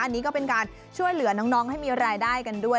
อันนี้ก็เป็นการช่วยเหลือน้องให้มีรายได้กันด้วย